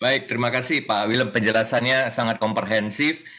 baik terima kasih pak willem penjelasannya sangat komprehensif